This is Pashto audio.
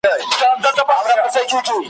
تر قیامته به روان وي « میرو» مل درته لیکمه ,